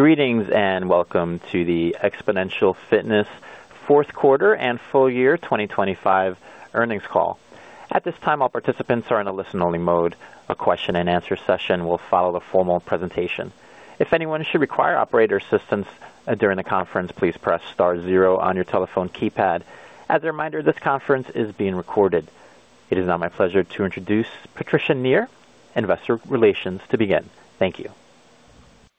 Greetings, welcome to the Xponential Fitness fourth quarter and full year 2025 earnings call. At this time, all participants are in a listen-only mode. A question-and-answer session will follow the formal presentation. If anyone should require operator assistance during the conference, please press star zero on your telephone keypad. As a reminder, this conference is being recorded. It is now my pleasure to introduce Patricia Nir, Investor Relations, to begin. Thank you.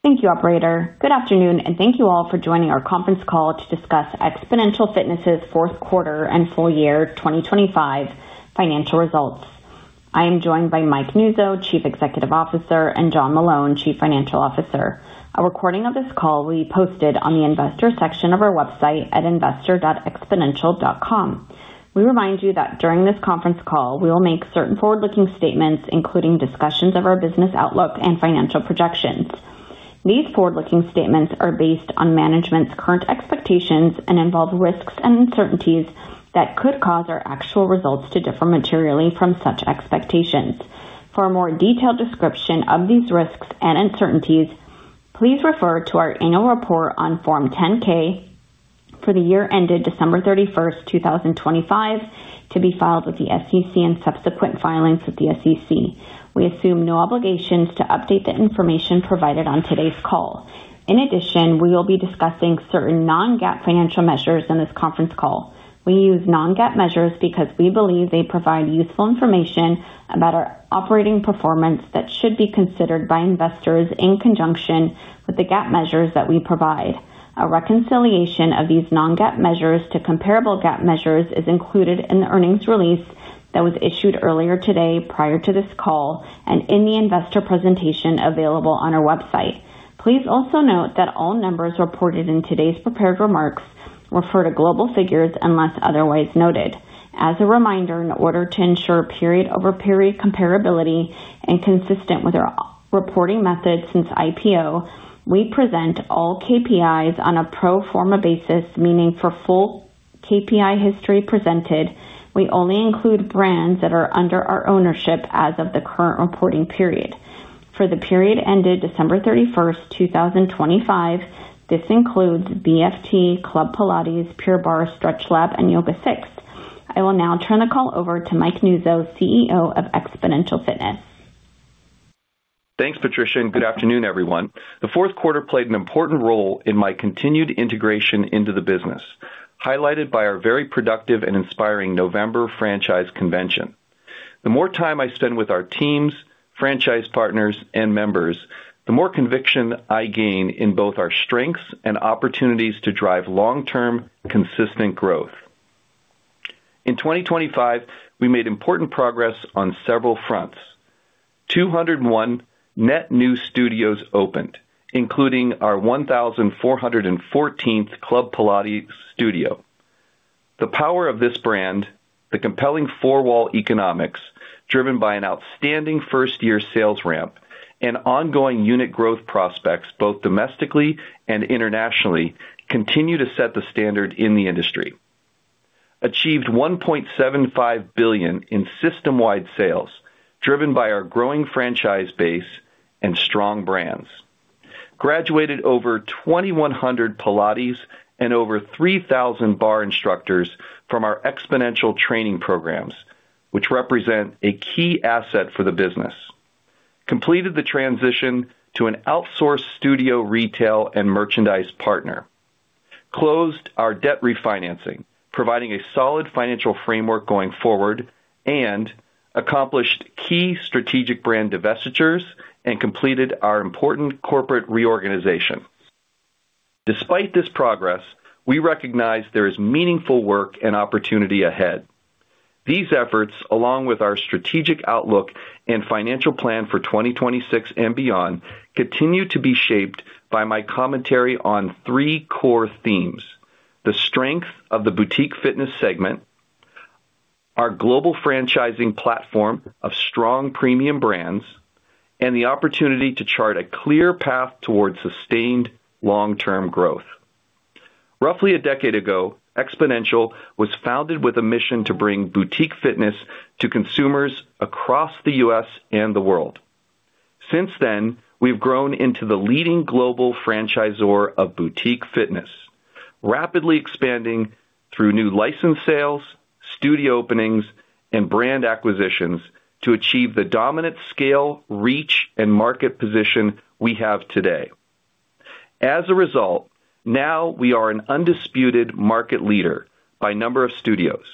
Thank you, operator. Good afternoon, and thank you all for joining our conference call to discuss Xponential Fitness' fourth quarter and full year 2025 financial results. I am joined by Mike Nuzzo, Chief Executive Officer, and John Meloun, Chief Financial Officer. A recording of this call will be posted on the investor section of our website at investor.xponential.com. We remind you that during this conference call, we will make certain forward-looking statements, including discussions of our business outlook and financial projections. These forward-looking statements are based on management's current expectations and involve risks and uncertainties that could cause our actual results to differ materially from such expectations. For a more detailed description of these risks and uncertainties, please refer to our annual report on Form 10-K for the year ended December 31, 2025, to be filed with the SEC and subsequent filings with the SEC. We assume no obligations to update the information provided on today's call. In addition, we will be discussing certain non-GAAP financial measures in this conference call. We use non-GAAP measures because we believe they provide useful information about our operating performance that should be considered by investors in conjunction with the GAAP measures that we provide. A reconciliation of these non-GAAP measures to comparable GAAP measures is included in the earnings release that was issued earlier today prior to this call and in the investor presentation available on our website. Please also note that all numbers reported in today's prepared remarks refer to global figures unless otherwise noted. As a reminder, in order to ensure period-over-period comparability and consistent with our reporting method since IPO, we present all KPIs on a pro forma basis, meaning for full KPI history presented, we only include brands that are under our ownership as of the current reporting period. For the period ended December 31, 2025, this includes BFT, Club Pilates, Pure Barre, StretchLab and YogaSix. I will now turn the call over to Mike Nuzzo, CEO of Xponential Fitness. Thanks, Patricia. Good afternoon, everyone. The fourth quarter played an important role in my continued integration into the business, highlighted by our very productive and inspiring November franchise convention. The more time I spend with our teams, franchise partners and members, the more conviction I gain in both our strengths and opportunities to drive long-term consistent growth. In 2025, we made important progress on several fronts. 201 net new studios opened, including our 1,414th Club Pilates studio. The power of this brand, the compelling four-wall economics, driven by an outstanding first-year sales ramp and ongoing unit growth prospects, both domestically and internationally, continue to set the standard in the industry. Achieved $1.75 billion in system-wide sales, driven by our growing franchise base and strong brands. Graduated over 2,100 Pilates and over 3,000 Barre instructors from our Xponential training programs, which represent a key asset for the business. Completed the transition to an outsourced studio retail and merchandise partner. Closed our debt refinancing, providing a solid financial framework going forward and accomplished key strategic brand divestitures and completed our important corporate reorganization. Despite this progress, we recognize there is meaningful work and opportunity ahead. These efforts, along with our strategic outlook and financial plan for 2026 and beyond, continue to be shaped by my commentary on three core themes. The strength of the boutique fitness segment, our global franchising platform of strong premium brands, and the opportunity to chart a clear path towards sustained long-term growth. Roughly a decade ago, Xponential was founded with a mission to bring boutique fitness to consumers across the U.S. and the world. Since then, we've grown into the leading global franchisor of boutique fitness, rapidly expanding through new license sales, studio openings and brand acquisitions to achieve the dominant scale, reach and market position we have today. As a result, now we are an undisputed market leader by number of studios.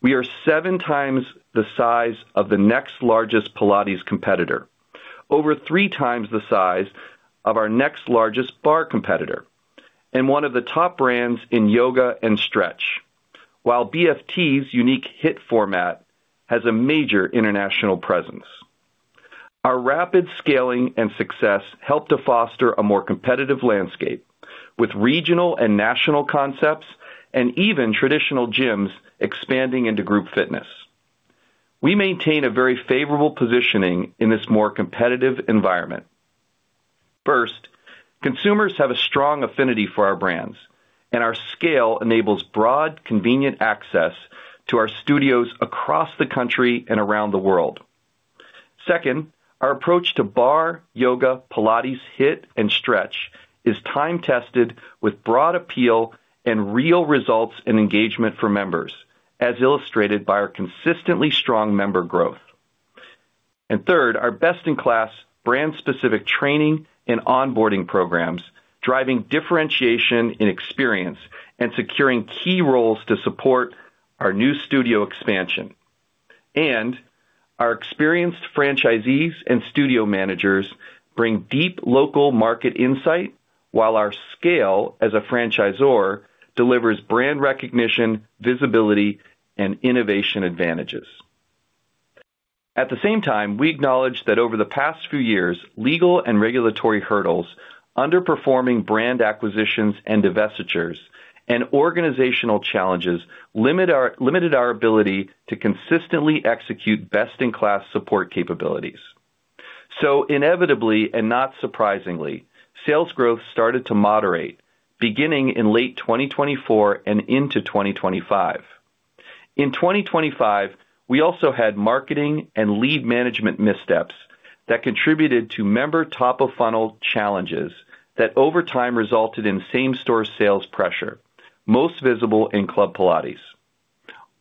We are seven times the size of the next largest Pilates competitor, over three times the size of our next largest Barre competitor, and one of the top brands in Yoga and Stretch. While BFT's unique HIIT format has a major international presence. Our rapid scaling and success help to foster a more competitive landscape with regional and national concepts and even traditional gyms expanding into group fitness. We maintain a very favorable positioning in this more competitive environment. First, consumers have a strong affinity for our brands. Our scale enables broad, convenient access to our studios across the country and around the world. Second, our approach to barre, yoga, Pilates, HIIT, and stretch is time-tested with broad appeal and real results in engagement for members, as illustrated by our consistently strong member growth. Third, our best-in-class brand-specific training and onboarding programs, driving differentiation in experience and securing key roles to support our new studio expansion. Our experienced franchisees and studio managers bring deep local market insight, while our scale as a franchisor delivers brand recognition, visibility, and innovation advantages. At the same time, we acknowledge that over the past few years, legal and regulatory hurdles, underperforming brand acquisitions and divestitures, and organizational challenges limited our ability to consistently execute best-in-class support capabilities. Inevitably, and not surprisingly, sales growth started to moderate beginning in late 2024 and into 2025. In 2025, we also had marketing and lead management missteps that contributed to member top-of-funnel challenges that over time resulted same-store sales pressure, most visible in Club Pilates.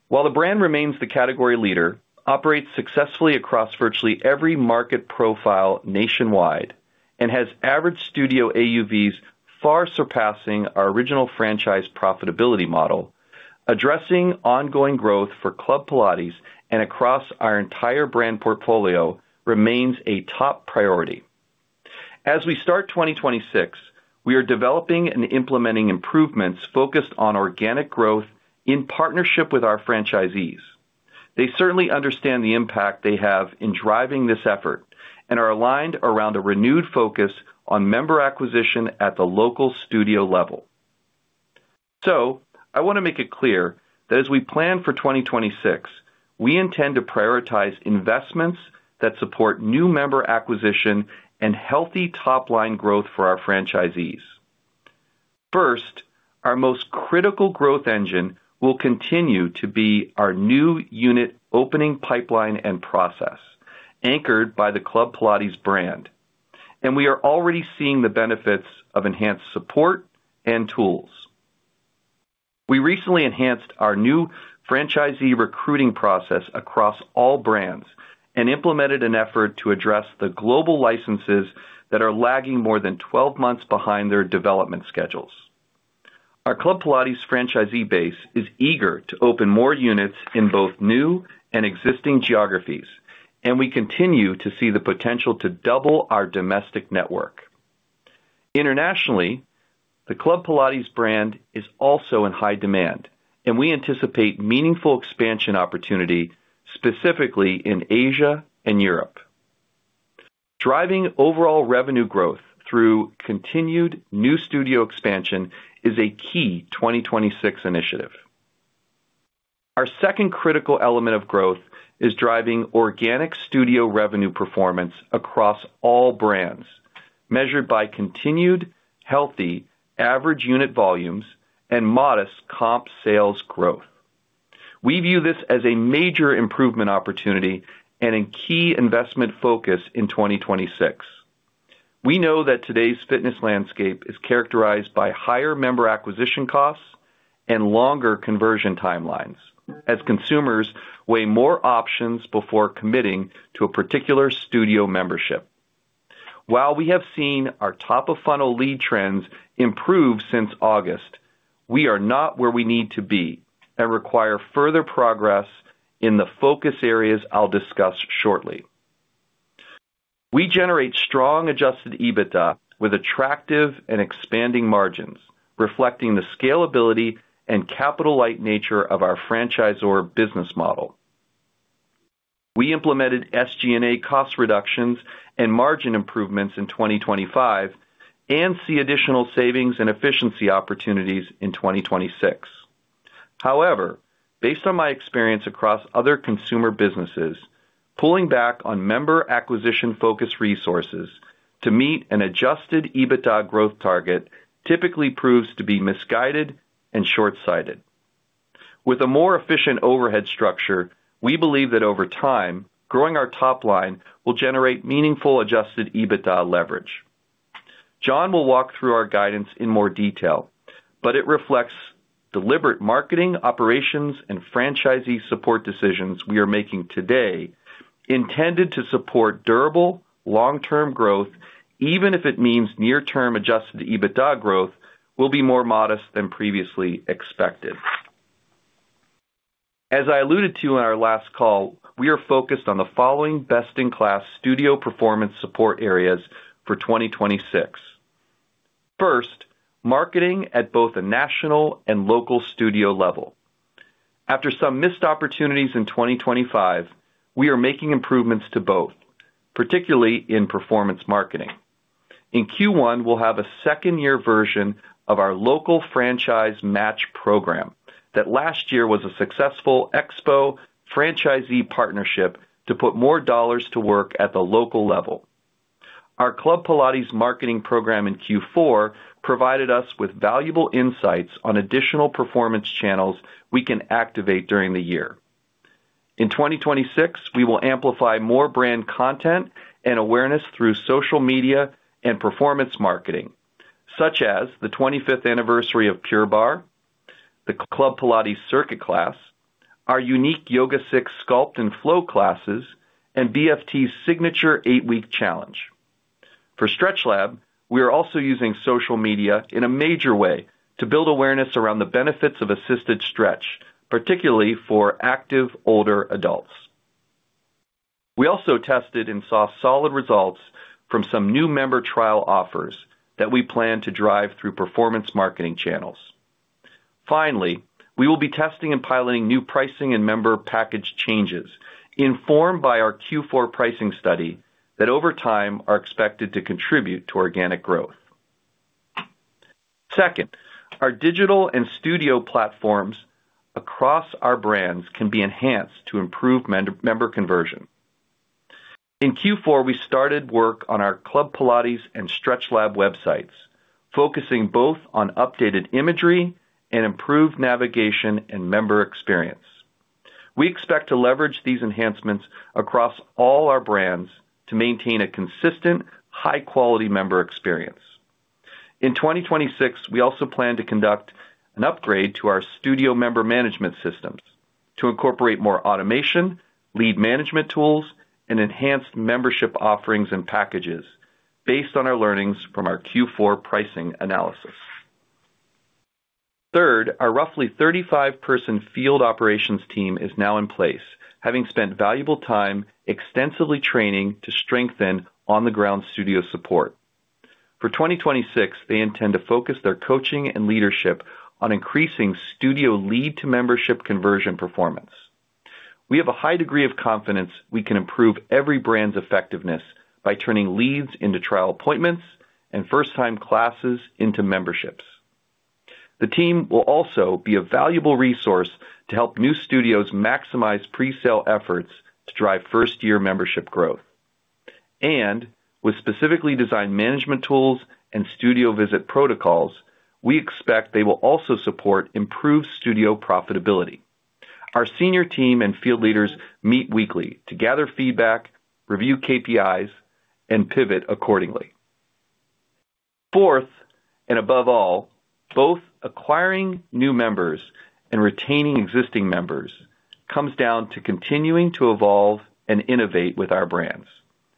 While the brand remains the category leader, operates successfully across virtually every market profile nationwide, and has average studio AUVs far surpassing our original franchise profitability model, addressing ongoing growth for Club Pilates and across our entire brand portfolio remains a top priority. As we start 2026, we are developing and implementing improvements focused on organic growth in partnership with our franchisees. They certainly understand the impact they have in driving this effort and are aligned around a renewed focus on member acquisition at the local studio level. I want to make it clear that as we plan for 2026, we intend to prioritize investments that support new member acquisition and healthy top-line growth for our franchisees. First, our most critical growth engine will continue to be our new unit opening pipeline and process, anchored by the Club Pilates brand. We are already seeing the benefits of enhanced support and tools. We recently enhanced our new franchisee recruiting process across all brands and implemented an effort to address the global licenses that are lagging more than 12 months behind their development schedules. Our Club Pilates franchisee base is eager to open more units in both new and existing geographies, and we continue to see the potential to double our domestic network. Internationally, the Club Pilates brand is also in high demand, and we anticipate meaningful expansion opportunity, specifically in Asia and Europe. Driving overall revenue growth through continued new studio expansion is a key 2026 initiative. Our second critical element of growth is driving organic studio revenue performance across all brands, measured by continued healthy average unit volumes and modest comp sales growth. We view this as a major improvement opportunity and a key investment focus in 2026. We know that today's fitness landscape is characterized by higher member acquisition costs and longer conversion timelines as consumers weigh more options before committing to a particular studio membership. While we have seen our top-of-funnel lead trends improve since August, we are not where we need to be and require further progress in the focus areas I'll discuss shortly. We generate strong adjusted EBITDA with attractive and expanding margins, reflecting the scalability and capital-light nature of our franchisor business model. We implemented SG&A cost reductions and margin improvements in 2025 and see additional savings and efficiency opportunities in 2026. However, based on my experience across other consumer businesses, pulling back on member acquisition-focused resources to meet an adjusted EBITDA growth target typically proves to be misguided and shortsighted. With a more efficient overhead structure, we believe that over time, growing our top line will generate meaningful adjusted EBITDA leverage. John will walk through our guidance in more detail, but it reflects deliberate marketing, operations, and franchisee support decisions we are making today intended to support durable long-term growth, even if it means near-term adjusted EBITDA growth will be more modest than previously expected. As I alluded to in our last call, we are focused on the following best-in-class studio performance support areas for 2026. First, marketing at both a national and local studio level. After some missed opportunities in 2025, we are making improvements to both, particularly in performance marketing. In Q1, we'll have a second-year version of our local franchise match program. That last year was a successful Xpo franchisee match partnership to put more dollars to work at the local level. Our Club Pilates marketing program in Q4 provided us with valuable insights on additional performance channels we can activate during the year. In 2026, we will amplify more brand content and awareness through social media and performance marketing, such as the 25th anniversary of Pure Barre, the Club Pilates Circuit class, our unique YogaSix Sculpt & Flow classes, and BFT's signature eight-week challenge. For StretchLab, we are also using social media in a major way to build awareness around the benefits of assisted stretch, particularly for active older adults. We also tested and saw solid results from some new member trial offers that we plan to drive through performance marketing channels. Finally, we will be testing and piloting new pricing and member package changes, informed by our Q4 pricing study, that over time, are expected to contribute to organic growth. Second, our digital and studio platforms across our brands can be enhanced to improve member conversion. In Q4, we started work on our Club Pilates and StretchLab websites, focusing both on updated imagery and improved navigation and member experience. We expect to leverage these enhancements across all our brands to maintain a consistent, high-quality member experience. In 2026, we also plan to conduct an upgrade to our studio member management systems to incorporate more automation, lead management tools, and enhanced membership offerings and packages based on our learnings from our Q4 pricing analysis. Third, our roughly 35-person field operations team is now in place, having spent valuable time extensively training to strengthen on-the-ground studio support. For 2026, they intend to focus their coaching and leadership on increasing studio lead to membership conversion performance. We have a high degree of confidence we can improve every brand's effectiveness by turning leads into trial appointments and first-time classes into memberships. The team will also be a valuable resource to help new studios maximize presale efforts to drive first-year membership growth. With specifically designed management tools and studio visit protocols, we expect they will also support improved studio profitability. Our senior team and field leaders meet weekly to gather feedback, review KPIs, and pivot accordingly. Fourth, above all, both acquiring new members and retaining existing members comes down to continuing to evolve and innovate with our brands,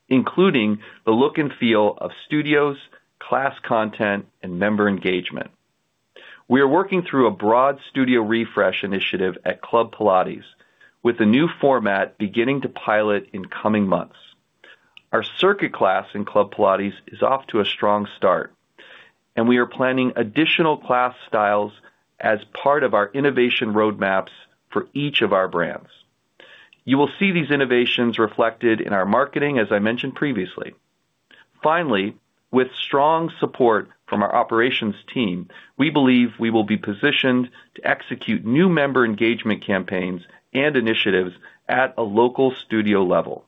including the look and feel of studios, class content, and member engagement. We are working through a broad studio refresh initiative at Club Pilates, with a new format beginning to pilot in coming months. Our circuit class in Club Pilates is off to a strong start, and we are planning additional class styles as part of our innovation roadmaps for each of our brands. You will see these innovations reflected in our marketing, as I mentioned previously. Finally, with strong support from our operations team, we believe we will be positioned to execute new member engagement campaigns and initiatives at a local studio level.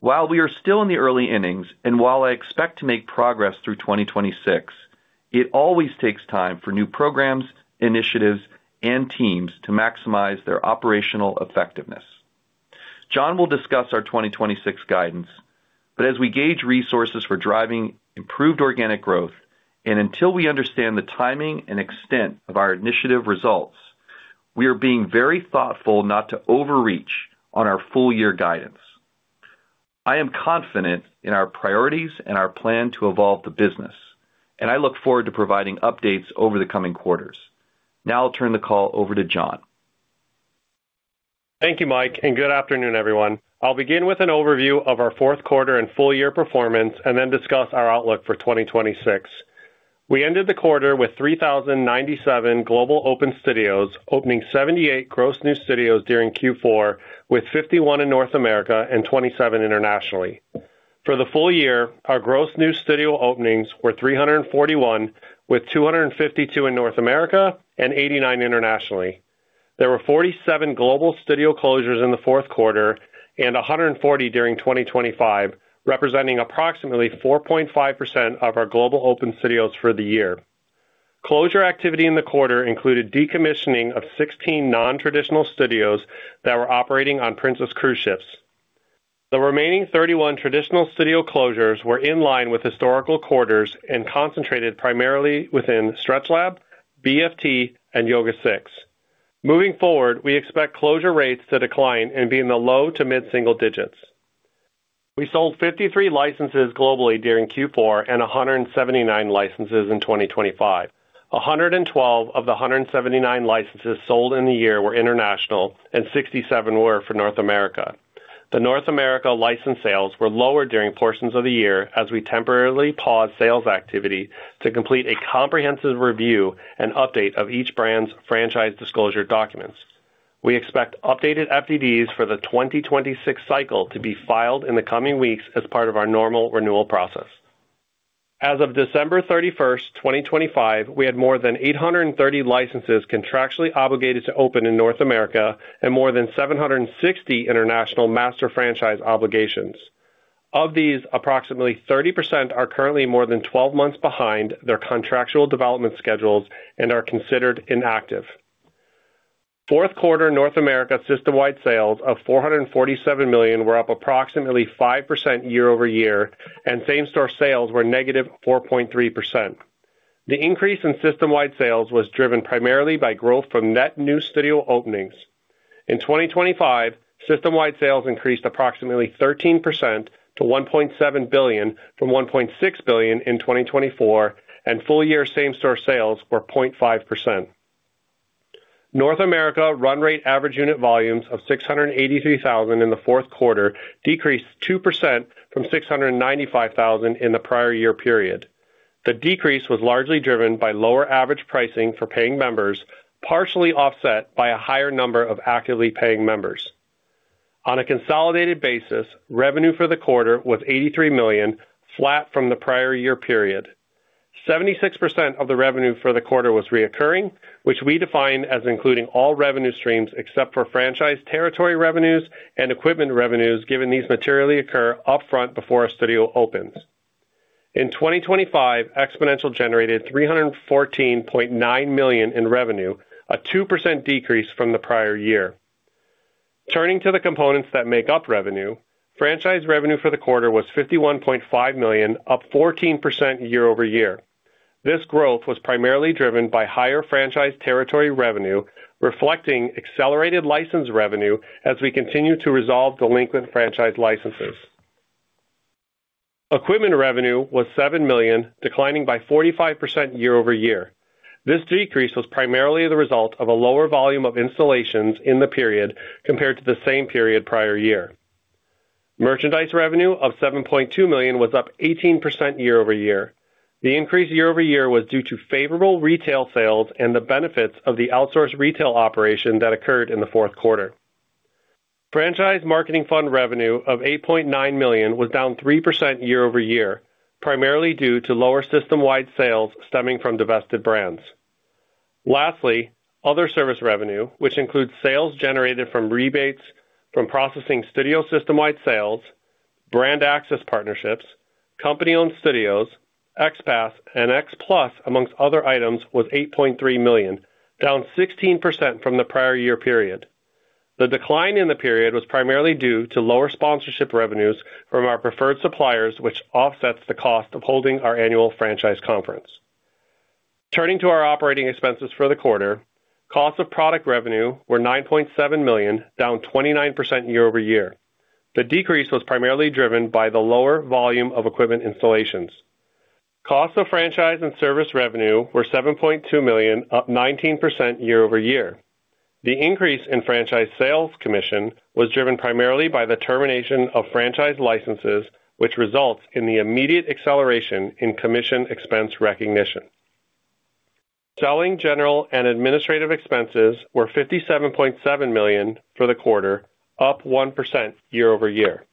While we are still in the early innings, and while I expect to make progress through 2026, it always takes time for new programs, initiatives, and teams to maximize their operational effectiveness. John will discuss our 2026 guidance, but as we gauge resources for driving improved organic growth, and until we understand the timing and extent of our initiative results, we are being very thoughtful not to overreach on our full year guidance. I am confident in our priorities and our plan to evolve the business, and I look forward to providing updates over the coming quarters. Now I'll turn the call over to John. Thank you, Mike, and good afternoon, everyone. I'll begin with an overview of our fourth quarter and full year performance, and then discuss our outlook for 2026. We ended the quarter with 3,097 global open studios, opening 78 gross new studios during Q4, with 51 in North America and 27 internationally. For the full year, our gross new studio openings were 341, with 252 in North America and 89 internationally. There were 47 global studio closures in the fourth quarter and 140 during 2025, representing approximately 4.5% of our global open studios for the year. Closure activity in the quarter included decommissioning of 16 non-traditional studios that were operating on Princess Cruises. The remaining 31 traditional studio closures were in line with historical quarters and concentrated primarily within StretchLab, BFT, and YogaSix. Moving forward, we expect closure rates to decline and be in the low to mid-single digits. We sold 53 licenses globally during Q4 and 179 licenses in 2025. 112 of the 179 licenses sold in the year were international, and 67 were for North America. The North America license sales were lower during portions of the year as we temporarily paused sales activity to complete a comprehensive review and update of each brand's franchise disclosure documents. We expect updated FDDs for the 2026 cycle to be filed in the coming weeks as part of our normal renewal process. As of December 31, 2025, we had more than 830 licenses contractually obligated to open in North America and more than 760 international master franchise obligations. Of these, approximately 30% are currently more than 12 months behind their contractual development schedules and are considered inactive. Fourth quarter North America system-wide sales of $447 million were up approximately 5% year-over-year, and same-store sales were negative 4.3%. The increase in system-wide sales was driven primarily by growth from net new studio openings. In 2025, system-wide sales increased approximately 13% to $1.7 billion from $1.6 billion in 2024, and full-year same-store sales were 0.5%. North America run rate average unit volumes of $683,000 in the fourth quarter decreased 2% from $695,000 in the prior year period. The decrease was largely driven by lower average pricing for paying members, partially offset by a higher number of actively paying members. On a consolidated basis, revenue for the quarter was $83 million, flat from the prior year period. 76% of the revenue for the quarter was recurring, which we define as including all revenue streams except for franchise territory revenues and equipment revenues, given these materially occur upfront before a studio opens. In 2025, Xponential generated $314.9 million in revenue, a 2% decrease from the prior year. Turning to the components that make up revenue, franchise revenue for the quarter was $51.5 million, up 14% year-over-year. This growth was primarily driven by higher franchise territory revenue, reflecting accelerated license revenue as we continue to resolve delinquent franchise licenses. Equipment revenue was $7 million, declining by 45% year-over-year. This decrease was primarily the result of a lower volume of installations in the period compared to the same period prior year. Merchandise revenue of $7.2 million was up 18% year-over-year. The increase year-over-year was due to favorable retail sales and the benefits of the outsourced retail operation that occurred in the fourth quarter. Franchise marketing fund revenue of $8.9 million was down 3% year-over-year, primarily due to lower system-wide sales stemming from divested brands. Lastly, other service revenue, which includes sales generated from rebates from processing studio system-wide sales, brand access partnerships, company-owned studios, XPASS and XPLUS, amongst other items, was $8.3 million, down 16% from the prior year period. The decline in the period was primarily due to lower sponsorship revenues from our preferred suppliers, which offsets the cost of holding our annual franchise conference. Turning to our operating expenses for the quarter, cost of product revenue were $9.7 million, down 29% year-over-year. The decrease was primarily driven by the lower volume of equipment installations. Cost of franchise and service revenue were $7.2 million, up 19% year-over-year. The increase in franchise sales commission was driven primarily by the termination of franchise licenses, which results in the immediate acceleration in commission expense recognition. Selling, general and administrative expenses were $57.7 million for the quarter, up 1% year-over-year.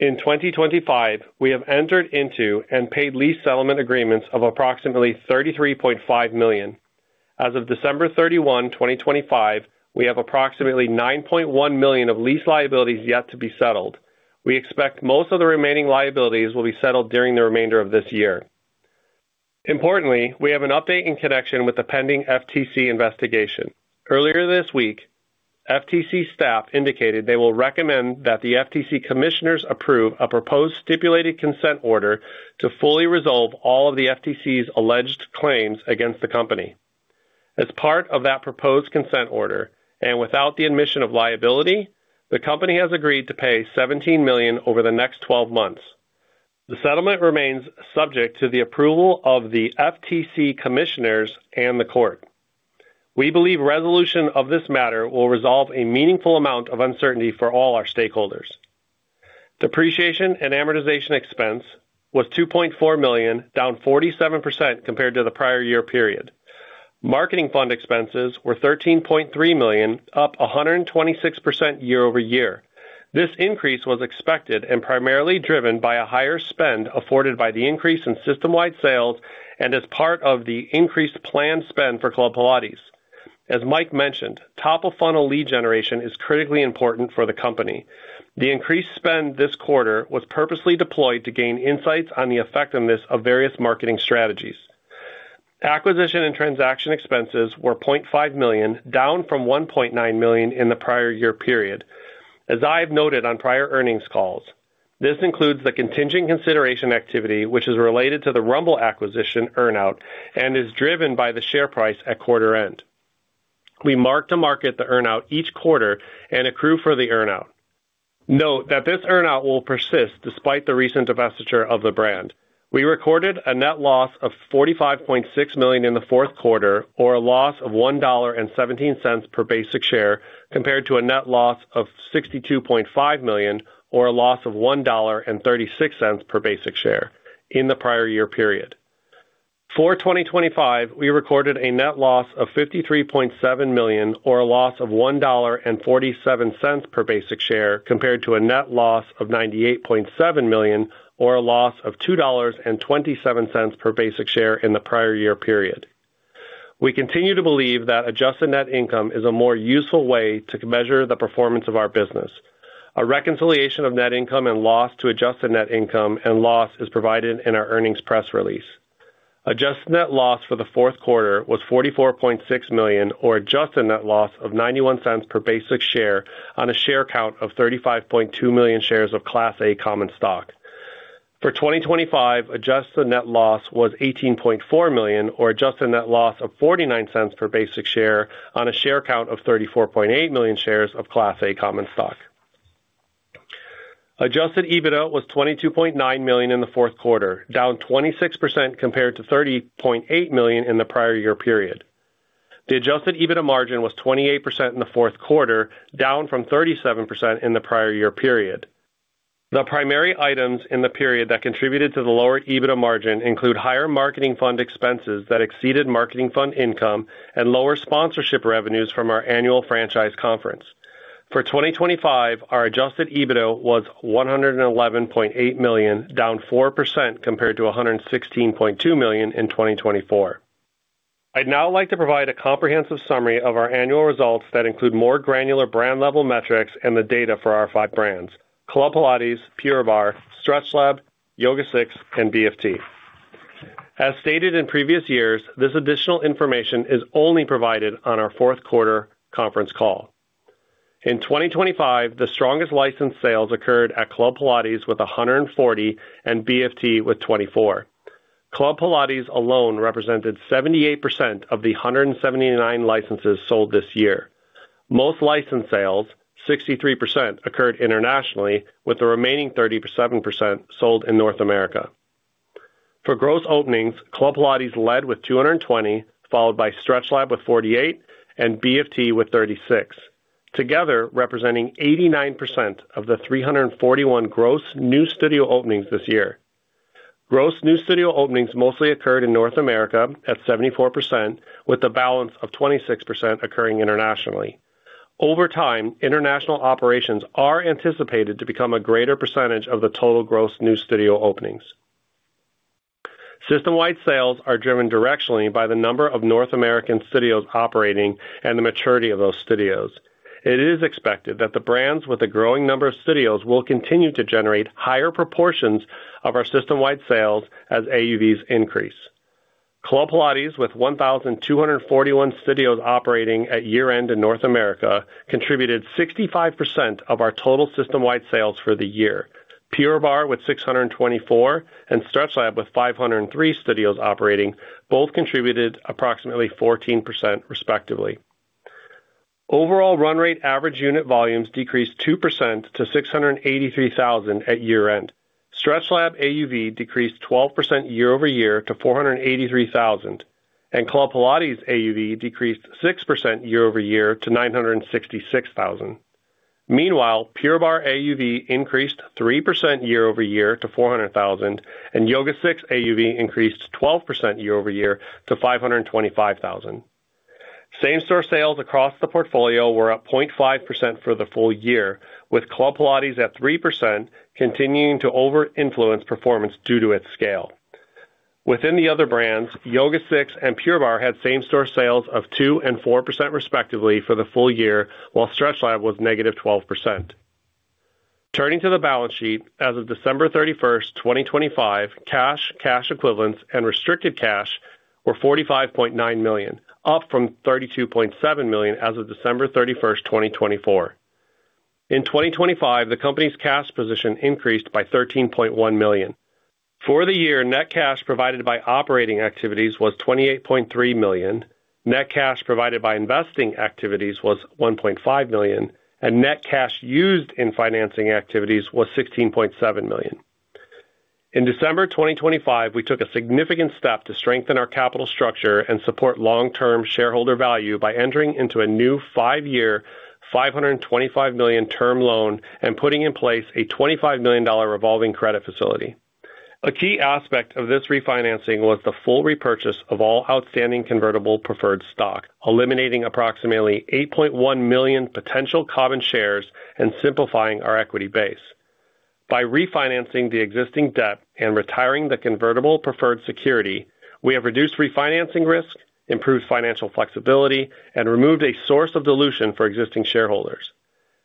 In 2025, we have entered into and paid lease settlement agreements of approximately $33.5 million. As of December 31, 2025, we have approximately $9.1 million of lease liabilities yet to be settled. We expect most of the remaining liabilities will be settled during the remainder of this year. Importantly, we have an update in connection with the pending FTC investigation. Earlier this week, FTC staff indicated they will recommend that the FTC commissioners approve a proposed stipulated consent order to fully resolve all of the FTC's alleged claims against the company. As part of that proposed consent order, and without the admission of liability, the company has agreed to pay $17 million over the next 12 months. The settlement remains subject to the approval of the FTC commissioners and the court. We believe resolution of this matter will resolve a meaningful amount of uncertainty for all our stakeholders. Depreciation and amortization expense was $2.4 million, down 47% compared to the prior year period. Marketing fund expenses were $13.3 million, up 126% year-over-year. This increase was expected and primarily driven by a higher spend afforded by the increase in system-wide sales and as part of the increased planned spend for Club Pilates. As Mike mentioned, top-of-funnel lead generation is critically important for the company. The increased spend this quarter was purposely deployed to gain insights on the effectiveness of various marketing strategies. Acquisition and transaction expenses were $0.5 million, down from $1.9 million in the prior year period. As I have noted on prior earnings calls, this includes the contingent consideration activity, which is related to the Rumble acquisition earn out and is driven by the share price at quarter end. We mark to market the earn out each quarter and accrue for the earn out. Note that this earn out will persist despite the recent divestiture of the brand. We recorded a net loss of $45.6 million in the fourth quarter, or a loss of $1.17 per basic share, compared to a net loss of $62.5 million, or a loss of $1.36 per basic share in the prior year period. For 2025, we recorded a net loss of $53.7 million, or a loss of $1.47 per basic share, compared to a net loss of $98.7 million, or a loss of $2.27 per basic share in the prior year period. We continue to believe that adjusted net income is a more useful way to measure the performance of our business. A reconciliation of net income and loss to adjusted net income and loss is provided in our earnings press release. Adjusted net loss for the fourth quarter was $44.6 million, or adjusted net loss of $0.91 per basic share on a share count of 35.2 million shares of Class A common stock. For 2025, adjusted net loss was $18.4 million, or adjusted net loss of $0.49 per basic share on a share count of 34.8 million shares of Class A common stock. Adjusted EBITDA was $22.9 million in the fourth quarter, down 26% compared to $30.8 million in the prior year period. The adjusted EBITDA margin was 28% in the fourth quarter, down from 37% in the prior year period. The primary items in the period that contributed to the lower EBITDA margin include higher marketing fund expenses that exceeded marketing fund income and lower sponsorship revenues from our annual franchise conference. For 2025, our adjusted EBITDA was $111.8 million, down 4% compared to $116.2 million in 2024. I'd now like to provide a comprehensive summary of our annual results that include more granular brand-level metrics and the data for our five brands, Club Pilates, Pure Barre, StretchLab, YogaSix, and BFT. As stated in previous years, this additional information is only provided on our fourth quarter conference call. In 2025, the strongest licensed sales occurred at Club Pilates with 140, and BFT with 24. Club Pilates alone represented 78% of the 179 licenses sold this year. Most license sales, 63%, occurred internationally, with the remaining 37% sold in North America. For gross openings, Club Pilates led with 220, followed by StretchLab with 48 and BFT with 36, together representing 89% of the 341 gross new studio openings this year. Gross new studio openings mostly occurred in North America at 74%, with a balance of 26% occurring internationally. Over time, international operations are anticipated to become a greater percentage of the total gross new studio openings. System-wide sales are driven directionally by the number of North American studios operating and the maturity of those studios. It is expected that the brands with a growing number of studios will continue to generate higher proportions of our system-wide sales as AUVs increase. Club Pilates, with 1,241 studios operating at year-end in North America, contributed 65% of our total system-wide sales for the year. Pure Barre, with 624, and StretchLab, with 503 studios operating, both contributed approximately 14% respectively. Overall, run rate average unit volumes decreased 2% to $683,000 at year-end. StretchLab AUV decreased 12% year-over-year to $483,000, and Club Pilates AUV decreased 6% year-over-year to $966,000. Meanwhile, Pure Barre AUV increased 3% year-over-year to $400,000, and YogaSix AUV increased 12% year-over-year to $525,000. same-store sales across the portfolio were up 0.5% for the full year, with Club Pilates at 3%, continuing to over-influence performance due to its scale. Within the other brands, YogaSix and Pure Barre same-store sales of 2% and 4%, respectively, for the full year, while StretchLab was -12%. Turning to the balance sheet, as of December 31, 2025, cash equivalents and restricted cash were $45.9 million, up from $32.7 million as of December 31, 2024. In 2025, the company's cash position increased by $13.1 million. For the year, net cash provided by operating activities was $28.3 million, net cash provided by investing activities was $1.5 million. Net cash used in financing activities was $16.7 million. In December 2025, we took a significant step to strengthen our capital structure and support long-term shareholder value by entering into a new five-year, $525 million term loan and putting in place a $25 million revolving credit facility. A key aspect of this refinancing was the full repurchase of all outstanding convertible preferred stock, eliminating approximately 8.1 million potential common shares and simplifying our equity base. By refinancing the existing debt and retiring the convertible preferred security, we have reduced refinancing risk, improved financial flexibility, and removed a source of dilution for existing shareholders.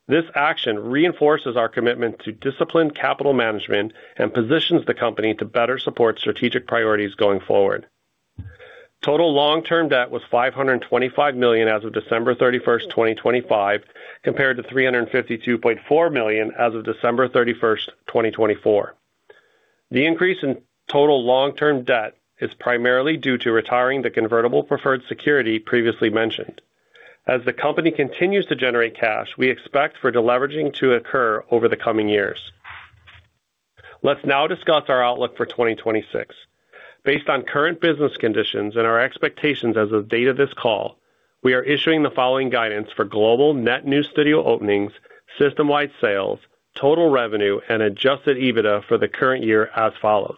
This action reinforces our commitment to disciplined capital management and positions the company to better support strategic priorities going forward. Total long-term debt was $525 million as of December 31, 2025, compared to $352.4 million as of December 31, 2024. The increase in total long-term debt is primarily due to retiring the convertible preferred security previously mentioned. As the company continues to generate cash, we expect for deleveraging to occur over the coming years. Let's now discuss our outlook for 2026. Based on current business conditions and our expectations as of the date of this call. We are issuing the following guidance for global net new studio openings, system-wide sales, total revenue, and adjusted EBITDA for the current year as follows.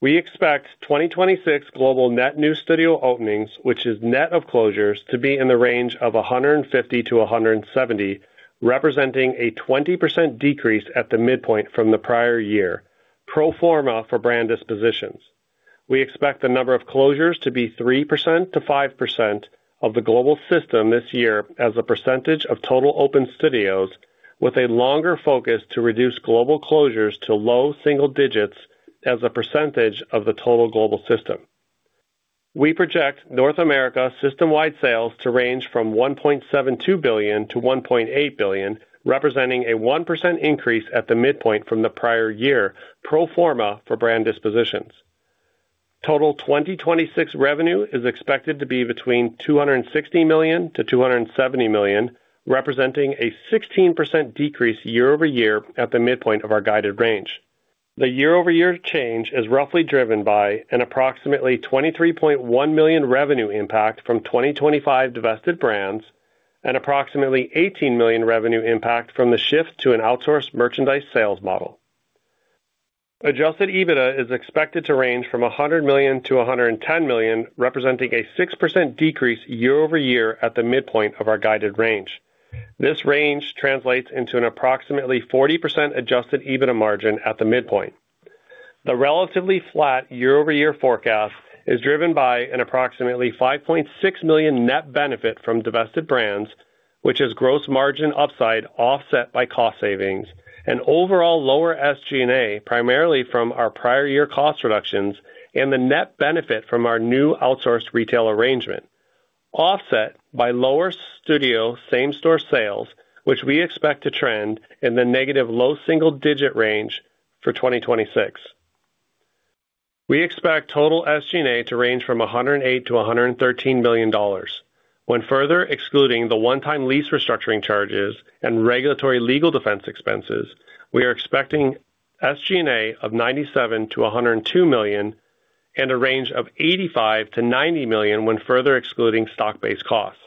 We expect 2026 global net new studio openings, which is net of closures, to be in the range of 150-170, representing a 20% decrease at the midpoint from the prior year, pro forma for brand dispositions. We expect the number of closures to be 3%-5% of the global system this year as a percentage of total open studios, with a longer focus to reduce global closures to low single digits as a percentage of the total global system. We project North America system-wide sales to range from $1.72 billion-$1.8 billion, representing a 1% increase at the midpoint from the prior year, pro forma for brand dispositions. Total 2026 revenue is expected to be between $260 million-$270 million, representing a 16% decrease year-over-year at the midpoint of our guided range. The year-over-year change is roughly driven by an approximately $23.1 million revenue impact from 2025 divested brands and approximately $18 million revenue impact from the shift to an outsourced merchandise sales model. Adjusted EBITDA is expected to range from $100 million-$110 million, representing a 6% decrease year-over-year at the midpoint of our guided range. This range translates into an approximately 40% adjusted EBITDA margin at the midpoint. The relatively flat year-over-year forecast is driven by an approximately $5.6 million net benefit from divested brands, which is gross margin upside offset by cost savings and overall lower SG&A, primarily from our prior year cost reductions and the net benefit from our new outsourced retail arrangement, offset by lower same-store sales, which we expect to trend in the negative low single-digit range for 2026. We expect total SG&A to range from $108 million-$113 million. When further excluding the one-time lease restructuring charges and regulatory legal defense expenses, we are expecting SG&A of $97 million-$102 million and a range of $85 million-$90 million when further excluding stock-based costs.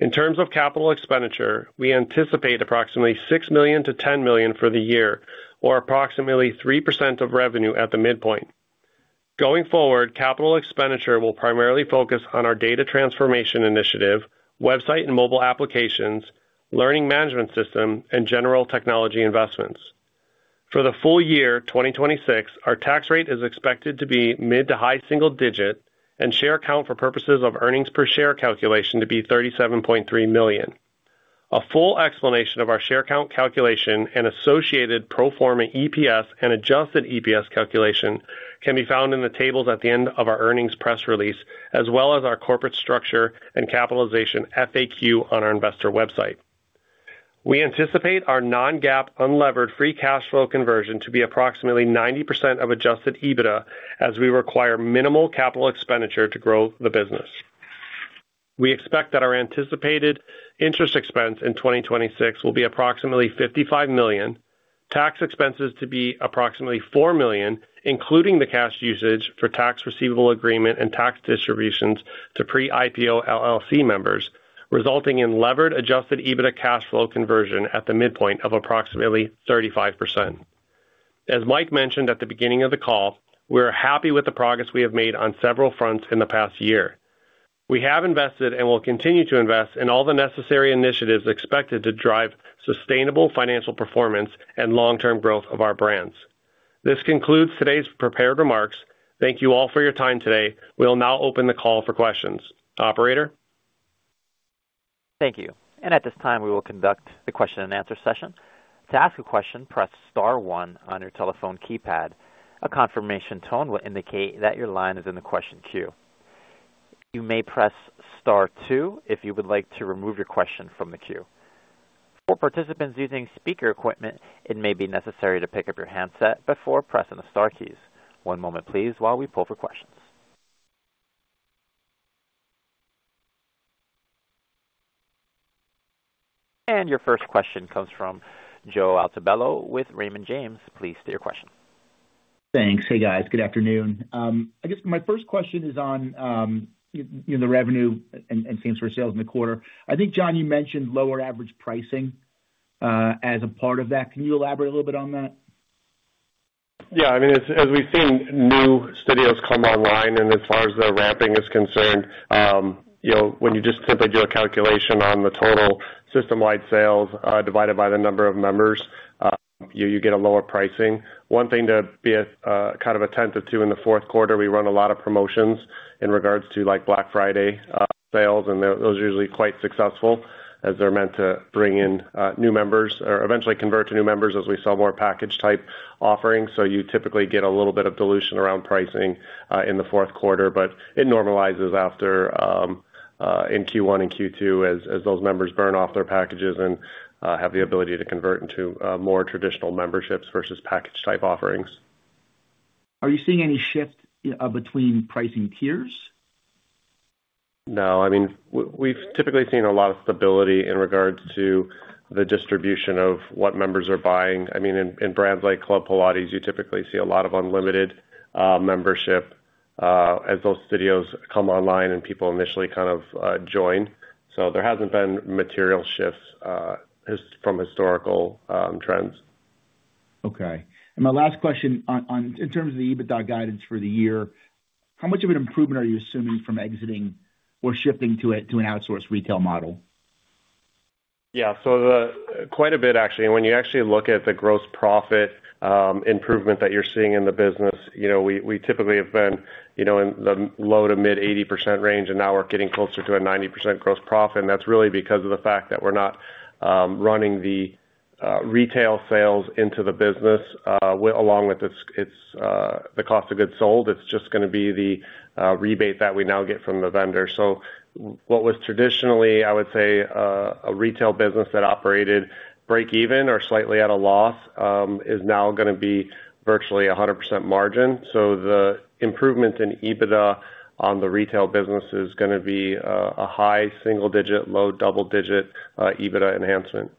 In terms of capital expenditure, we anticipate approximately $6 million-$10 million for the year, or approximately 3% of revenue at the midpoint. Going forward, capital expenditure will primarily focus on our data transformation initiative, website and mobile applications, learning management system, and general technology investments. For the full year 2026, our tax rate is expected to be mid to high single digit and share count for purposes of earnings per share calculation to be 37.3 million. A full explanation of our share count calculation and associated pro forma EPS and adjusted EPS calculation can be found in the tables at the end of our earnings press release, as well as our corporate structure and capitalization FAQ on our investor website. We anticipate our non-GAAP unlevered free cash flow conversion to be approximately 90% of adjusted EBITDA as we require minimal capital expenditure to grow the business. We expect that our anticipated interest expense in 2026 will be approximately $55 million, tax expenses to be approximately $4 million, including the cash usage for tax receivable agreement and tax distributions to pre-IPO LLC members, resulting in levered adjusted EBITDA cash flow conversion at the midpoint of approximately 35%. As Mike mentioned at the beginning of the call, we are happy with the progress we have made on several fronts in the past year. We have invested and will continue to invest in all the necessary initiatives expected to drive sustainable financial performance and long-term growth of our brands. This concludes today's prepared remarks. Thank you all for your time today. We will now open the call for questions. Operator? Thank you. At this time, we will conduct the question and answer session. To ask a question, press star one on your telephone keypad. A confirmation tone will indicate that your line is in the question queue. You may press star two if you would like to remove your question from the queue. For participants using speaker equipment, it may be necessary to pick up your handset before pressing the star keys. One moment please while we pull for questions. Your first question comes from Joe Altobello with Raymond James. Please state your question. Thanks. Hey, guys. Good afternoon. I guess my first question is on, you know, the revenue and same-store sales in the quarter. I think, John, you mentioned lower average pricing, as a part of that. Can you elaborate a little bit on that? Yeah, I mean, as we've seen new studios come online and as far as their ramping is concerned, you know, when you just simply do a calculation on the total system-wide sales, divided by the number of members, you get a lower pricing. One thing to be kind of attentive to in the fourth quarter, we run a lot of promotions in regards to like Black Friday sales, and those are usually quite successful as they're meant to bring in new members or eventually convert to new members as we sell more package type offerings. You typically get a little bit of dilution around pricing, in the fourth quarter, but it normalizes after, in Q1 and Q2 as those members burn off their packages and have the ability to convert into more traditional memberships versus package type offerings. Are you seeing any shift, between pricing tiers? No. I mean, we've typically seen a lot of stability in regards to the distribution of what members are buying. I mean, in brands like Club Pilates, you typically see a lot of unlimited membership as those studios come online and people initially kind of join. There hasn't been material shifts from historical trends. Okay. My last question in terms of the EBITDA guidance for the year, how much of an improvement are you assuming from exiting or shifting to it, to an outsourced retail model? Yeah. Quite a bit, actually. When you actually look at the gross profit improvement that you're seeing in the business, you know, we typically have been, you know, in the low to mid 80% range, and now we're getting closer to a 90% gross profit. That's really because of the fact that we're not running the retail sales into the business along with its the cost of goods sold. It's just gonna be the rebate that we now get from the vendor. What was traditionally, I would say, a retail business that operated break even or slightly at a loss, is now gonna be virtually a 100% margin. The improvement in EBITDA on the retail business is gonna be a high single digit, low double digit EBITDA enhancement.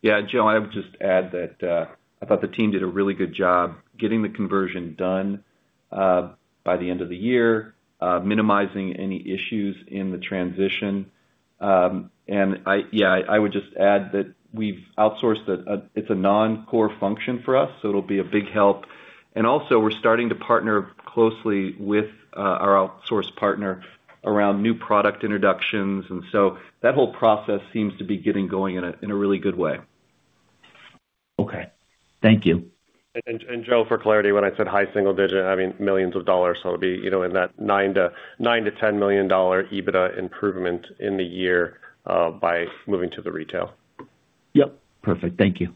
Yeah. Joe, I would just add that, I thought the team did a really good job getting the conversion done, by the end of the year, minimizing any issues in the transition. Yeah, I would just add that we've outsourced it. It's a non-core function for us, so it'll be a big help. Also, we're starting to partner closely with, our outsource partner around new product introductions. That whole process seems to be getting going in a, in a really good way. Okay. Thank you. Joe, for clarity, when I said high single digit, I mean millions of dollars. It'll be, you know, in that $9 million-$10 million EBITDA improvement in the year by moving to the retail. Yep. Perfect. Thank you.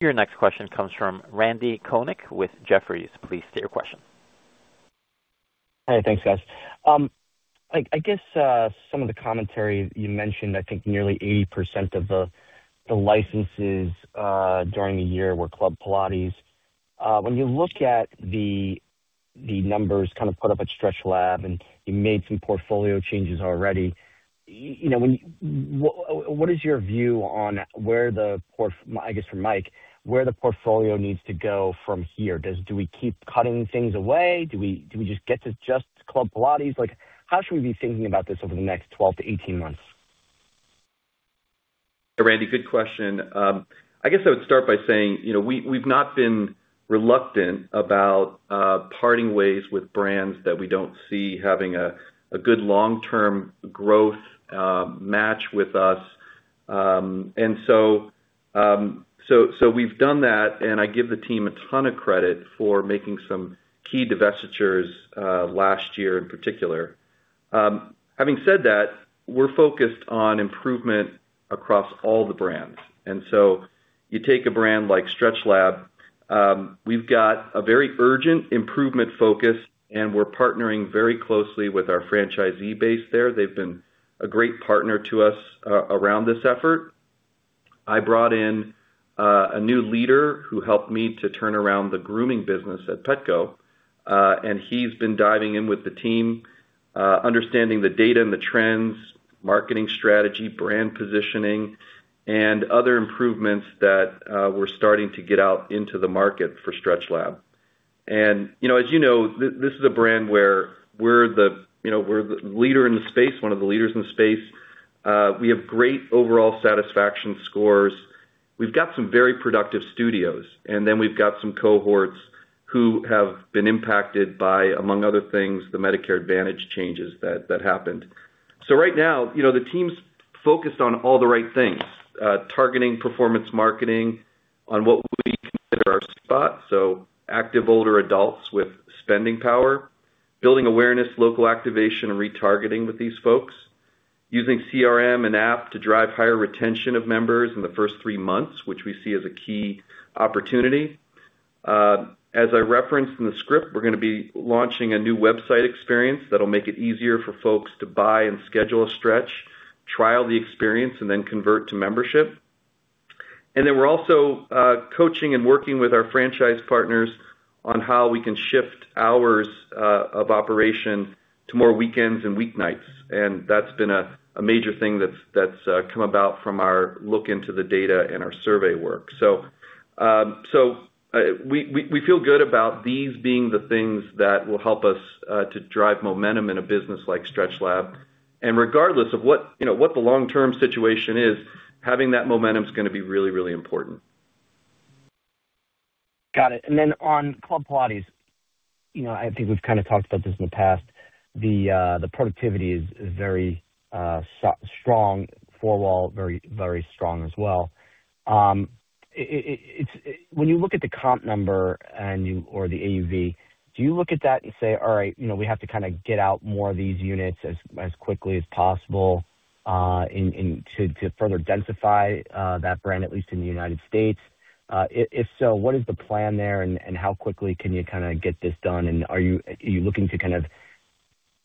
Your next question comes from Randy Konik with Jefferies. Please state your question. Hey, thanks, guys. I guess some of the commentary you mentioned, I think nearly 80% of the licenses during the year were Club Pilates. When you look at the numbers kind of put up at StretchLab, and you made some portfolio changes already, you know, when what is your view on where the portfolio needs to go from here? Do we keep cutting things away? Do we just get to just Club Pilates? Like, how should we be thinking about this over the next 12 to 18 months? Randy, good question. I guess I would start by saying, you know, we've not been reluctant about parting ways with brands that we don't see having a good long-term growth match with us. We've done that, and I give the team a ton of credit for making some key divestitures last year in particular. Having said that, we're focused on improvement across all the brands. You take a brand like StretchLab, we've got a very urgent improvement focus, and we're partnering very closely with our franchisee base there. They've been a great partner to us around this effort. I brought in a new leader who helped me to turn around the grooming business at Petco, and he's been diving in with the team, understanding the data and the trends, marketing strategy, brand positioning, and other improvements that we're starting to get out into the market for StretchLab. You know, as you know, this is a brand where we're the, you know, we're the leader in the space, one of the leaders in the space. We have great overall satisfaction scores. We've got some very productive studios, and then we've got some cohorts who have been impacted by, among other things, the Medicare Advantage changes that happened. Right now, you know, the team's focused on all the right things, targeting performance marketing on what we consider our spot, so active older adults with spending power, building awareness, local activation, and retargeting with these folks, using CRM and app to drive higher retention of members in the first three months, which we see as a key opportunity. As I referenced in the script, we're gonna be launching a new website experience that'll make it easier for folks to buy and schedule a stretch, trial the experience, and then convert to membership. Then we're also coaching and working with our franchise partners on how we can shift hours of operation to more weekends and week nights. That's been a major thing that's come about from our look into the data and our survey work. We feel good about these being the things that will help us to drive momentum in a business like StretchLab. Regardless of what, you know, what the long-term situation is, having that momentum is gonna be really, really important. Got it. Then on Club Pilates, you know, I think we've kind of talked about this in the past. The productivity is very strong, four wall, very strong as well. It's when you look at the comp number or the AUV, do you look at that and say, "All right, you know, we have to kind of get out more of these units as quickly as possible to further densify that brand, at least in the United States?" If so, what is the plan there, and how quickly can you kinda get this done? Are you looking to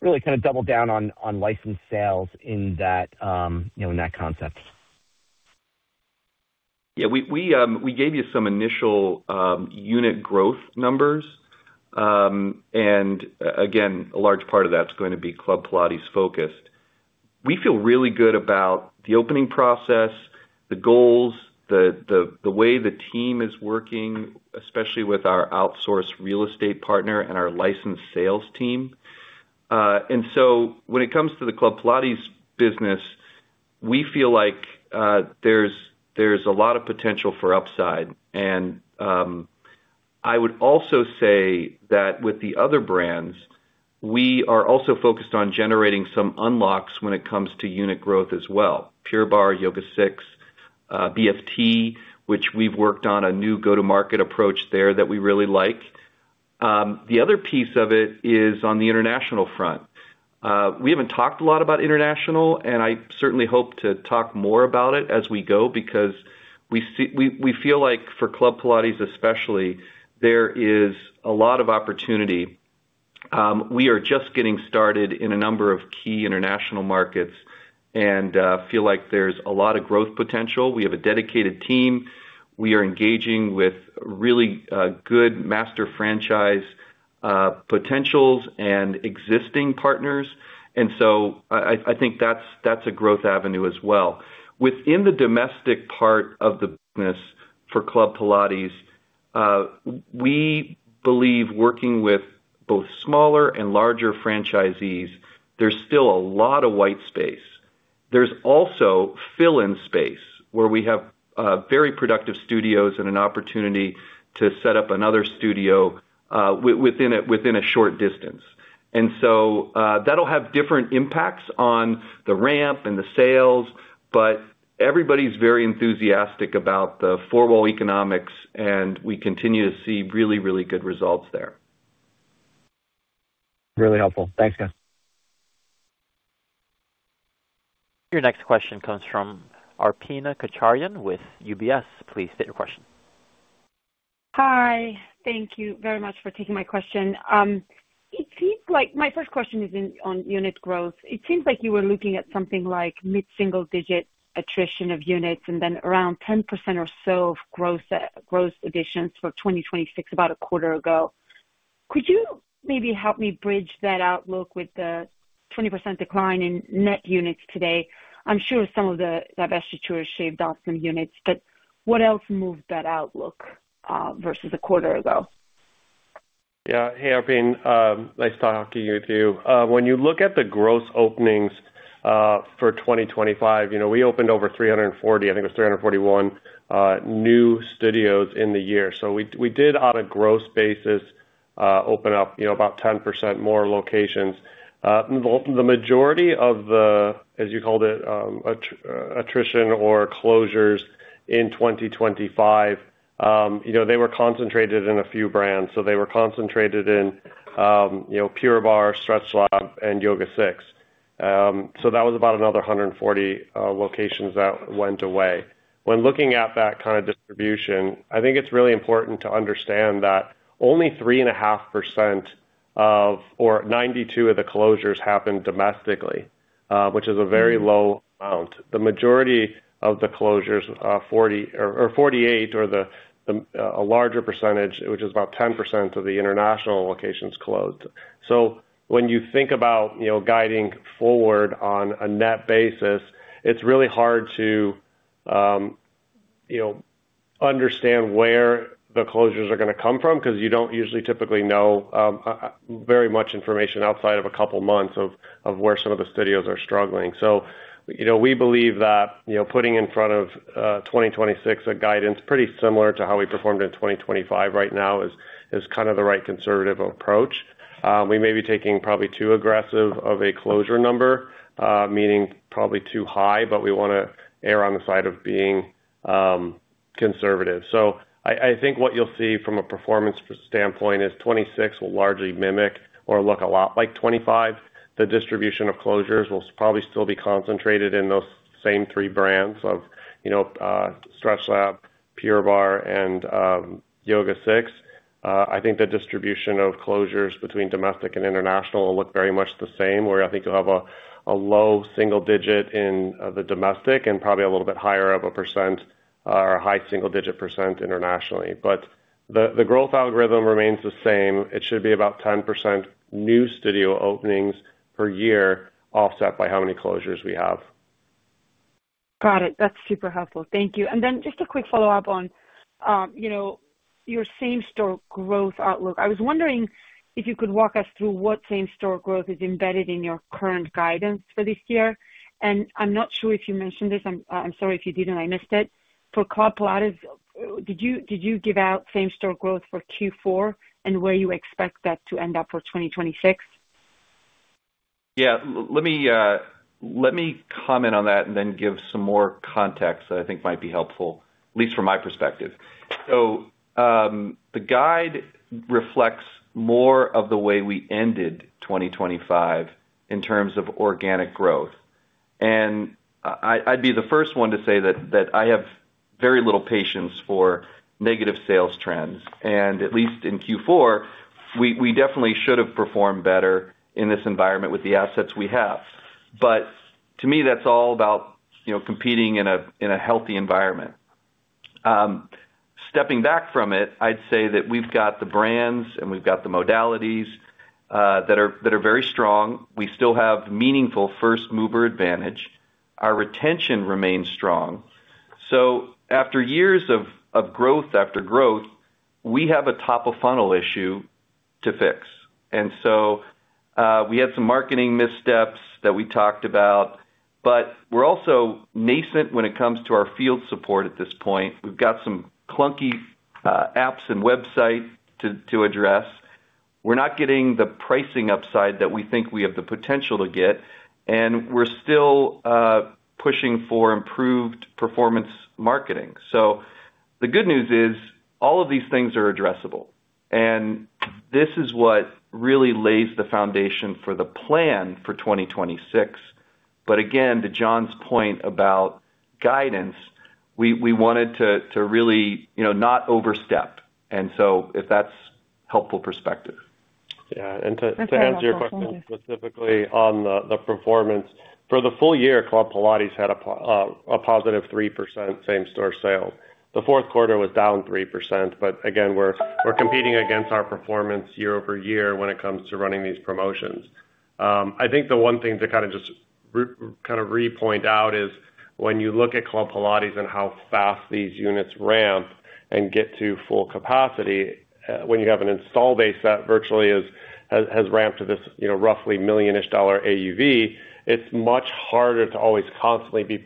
really kind of double down on licensed sales in that, you know, in that concept? Yeah. We gave you some initial unit growth numbers. Again, a large part of that's gonna be Club Pilates focused. We feel really good about the opening process, the goals, the way the team is working, especially with our outsourced real estate partner and our licensed sales team. When it comes to the Club Pilates business, we feel like there's a lot of potential for upside. I would also say that with the other brands, we are also focused on generating some unlocks when it comes to unit growth as well. Pure Barre, YogaSix, BFT, which we've worked on a new go-to-market approach there that we really like. The other piece of it is on the international front. We haven't talked a lot about international, and I certainly hope to talk more about it as we go, because we feel like for Club Pilates especially, there is a lot of opportunity. We are just getting started in a number of key international markets and feel like there's a lot of growth potential. We have a dedicated team. We are engaging with really good master franchise potentials and existing partners, and so I think that's a growth avenue as well. Within the domestic part of the business for Club Pilates, we believe working with both smaller and larger franchisees, there's still a lot of white space. There's also fill-in space, where we have very productive studios and an opportunity to set up another studio within a short distance. That'll have different impacts on the ramp and the sales, but everybody's very enthusiastic about the four wall economics, and we continue to see really, really good results there. Really helpful. Thanks, guys. Your next question comes from Arpine Kocharian with UBS. Please state your question. Hi, thank you very much for taking my question. My first question is on unit growth. It seems like you were looking at something like mid-single digit attrition of units and then around 10% or so of gross additions for 2026, about a quarter ago. Could you maybe help me bridge that outlook with the 20% decline in net units today? I'm sure some of the divestitures shaved off some units, but what else moved that outlook versus a quarter ago? Yeah. Hey, Arpine, nice talking to you, too. When you look at the gross openings for 2025, you know, we opened over 340, I think it was 341, new studios in the year. We did on a gross basis open up, you know, about 10% more locations. The majority of the, as you called it, attrition or closures in 2025, you know, they were concentrated in a few brands. They were concentrated in, you know, Pure Barre, StretchLab, and YogaSix. So that was about another 140 locations that went away. When looking at that kind of distribution, I think it's really important to understand that only 3.5% of, or 92 of the closures happened domestically, which is a very low amount. The majority of the closures, 48 or the, a larger percentage, which is about 10% of the international locations, closed. When you think about, you know, guiding forward on a net basis, it's really hard to, you know, understand where the closures are gonna come from, 'cause you don't usually typically know, very much information outside of a couple months of where some of the studios are struggling. you know, we believe that, you know, putting in front of 2026, a guidance pretty similar to how we performed in 2025 right now is kind of the right conservative approach. We may be taking probably too aggressive of a closure number, meaning probably too high, but we wanna err on the side of being conservative. I think what you'll see from a performance standpoint is 2026 will largely mimic or look a lot like 2025. The distribution of closures will probably still be concentrated in those same three brands of, you know, StretchLab, Pure Barre, and YogaSix. I think the distribution of closures between domestic and international will look very much the same, where I think you'll have a low single-digit in the domestic and probably a little bit higher of a percent, or a high single-digit % internationally. The growth algorithm remains the same. It should be about 10% new studio openings per year, offset by how many closures we have. Got it. That's super helpful. Thank you. Then just a quick follow-up on, you know, your same-store growth outlook. I was wondering if you could walk us through what same-store growth is embedded in your current guidance for this year. And I'm not sure if you mentioned this, I'm sorry if you did and I missed it. For Club Pilates, did you give out same-store growth for Q4 and where you expect that to end up for 2026? Let me comment on that and then give some more context that I think might be helpful, at least from my perspective. The guide reflects more of the way we ended 2025 in terms of organic growth. I'd be the first one to say that I have very little patience for negative sales trends, and at least in Q4, we definitely should have performed better in this environment with the assets we have. To me, that's all about, you know, competing in a healthy environment. Stepping back from it, I'd say that we've got the brands, and we've got the modalities that are very strong. We still have meaningful first mover advantage. Our retention remains strong. After years of growth after growth, we have a top-of-funnel issue to fix. We had some marketing missteps that we talked about, but we're also nascent when it comes to our field support at this point. We've got some clunky apps and website to address. We're not getting the pricing upside that we think we have the potential to get, and we're still pushing for improved performance marketing. The good news is all of these things are addressable, and this is what really lays the foundation for the plan for 2026. Again, to John's point about guidance, we wanted to really, you know, not overstep. If that's helpful perspective. Yeah. To answer your question specifically on the performance. For the full year, Club Pilates had a positive 3% same-store sale. The fourth quarter was down 3%, again, we're competing against our performance year-over-year when it comes to running these promotions. I think the one thing to kind of just repoint out is when you look at Club Pilates and how fast these units ramp and get to full capacity, when you have an install base that virtually has ramped to this, you know, roughly $1 million-ish AUV, it's much harder to always constantly be